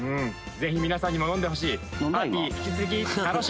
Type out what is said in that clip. ぜひ皆さんにも飲んでほしい。